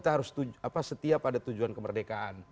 kita harus setia pada tujuan kemerdekaan